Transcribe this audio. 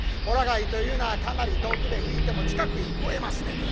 ほら貝というのはかなり遠くで吹いても近くに聞こえますね。